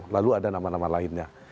lalu ada nama nama lainnya